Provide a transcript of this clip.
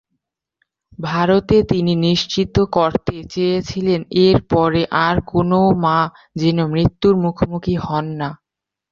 তারপরে তিনি নিশ্চিত করতে চেয়েছিলেন এর পরে আর কোনও মা যেন মৃত্যুর মুখোমুখি হন না।